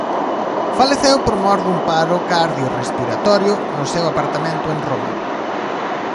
Faleceu por mor dun paro cardiorrespiratorio no seu apartamento en Roma.